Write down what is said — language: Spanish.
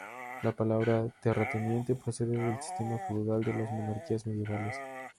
La palabra "terrateniente" procede del sistema feudal de las monarquías medievales.